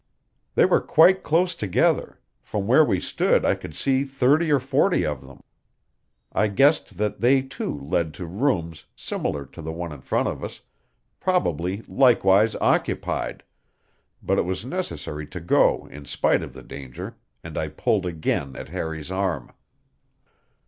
They were quite close together; from where we stood I could see thirty or forty of them. I guessed that they, too, led to rooms similar to the one in front of us, probably likewise occupied; but it was necessary to go on in spite of the danger, and I pulled again at Harry's arm.